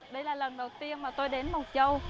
đấy là lần đầu tiên mà tôi đến mộc châu